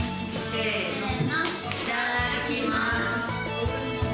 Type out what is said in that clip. いただきます。